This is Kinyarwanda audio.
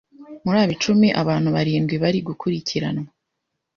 Muri abo icumi abantu baridwi bari gukurikiranwa,